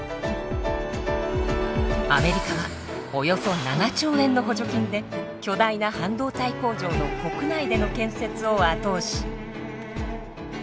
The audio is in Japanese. アメリカはおよそ７兆円の補助金で巨大な半導体工場の国内での建設を後押し。